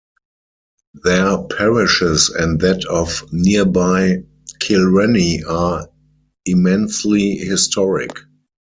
Their parishes and that of nearby Kilrenny are immensely historic.